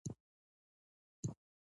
ایا زه باید ووځم؟